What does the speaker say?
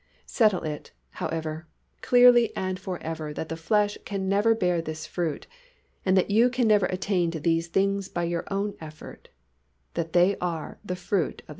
Settle it, however, clearly and forever that the flesh can never bear this fruit, that you can never attain to these things by your own effort that they are "the fruit of the Spirit."